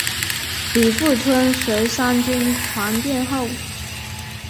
李富春随三军团殿后。